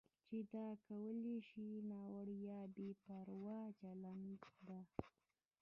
چې دا کولی شي ناوړه یا بې پروا چلند ته